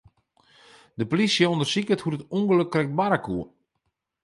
De plysje ûndersiket hoe't it ûngelok krekt barre koe.